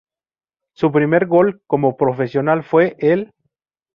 Su Primer Gol Como Profesional fue el.